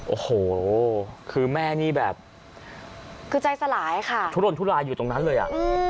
โอ้โหคือแม่นี่แบบคือใจสลายค่ะทุรนทุลายอยู่ตรงนั้นเลยอ่ะ